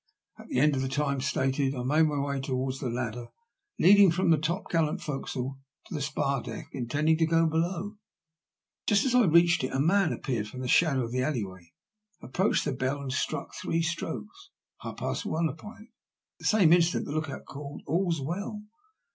At the end of the time stated I made my way towards the ladder leading from 116 THE LUST OP HAT2. the topgallant fo'c'ele to the spar deck, intending to go below, but just as I reached it a man appeared from the shadow of the alley way, approached the bell, and struck three strokes — half past one — upon it. At the same instant the look out called *' All's well